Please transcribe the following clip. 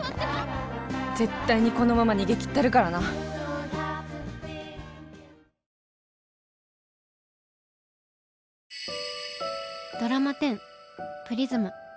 絶対にこのまま逃げきったるからなドラマ１０「プリズム」。